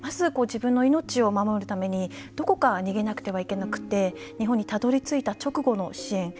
命を守るためにどこかに逃げないといけなくて日本にたどりついての支援。